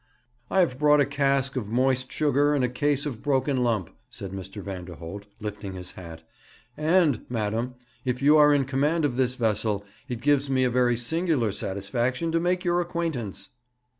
'I have brought a cask of moist sugar, and a case of broken lump,' said Mr. Vanderholt, lifting his hat; 'and, madam, if you are in command of this vessel, it gives me a very singular satisfaction to make your acquaintance.'